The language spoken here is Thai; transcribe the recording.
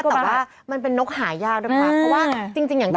แต่ว่ามันเป็นนกหายากด้วยค่ะเพราะว่าจริงอย่างที่บอก